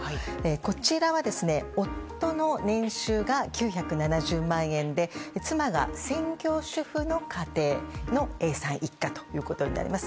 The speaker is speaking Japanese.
こちらは、夫の年収が９７０万円で、妻が専業主婦の家庭のＡさん一家ということになります。